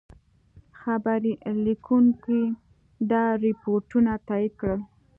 خبرلیکونکي دا رپوټونه تایید کړل.